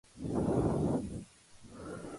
Permanece así hasta la segunda guerra mundial.